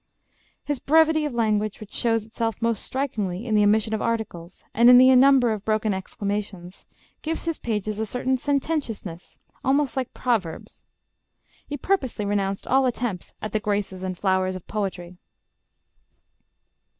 His brevity of language which shows itself most strikingly in the omission of articles, and in the number of broken exclamations gives his pages a certain sententiousness, almost like proverbs. He purposely renounced all attempts at the graces and flowers of poetry.